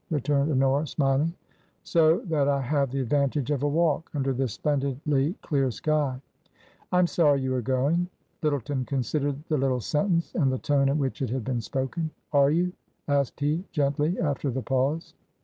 returned Honora, smiling. " So that I have the advantage of a walk under this splendidly clear sky." " I am sorry you are going." Lyttleton considered the little sentence and the tone in which it had been spoken. Are you ?" asked he, gently, after the pause.